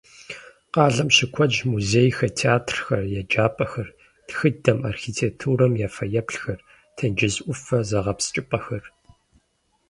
Къалэм щыкуэдщ музейхэр, театрхэр, еджапӀэхэр, тхыдэм, архитектурэм я фэеплъхэр, тенджыз Ӏуфэ зыгъэпскӀыпӀэхэр.